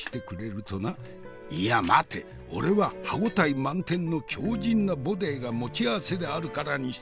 俺は歯応え満点の強じんなボデーが持ち合わせであるからにして。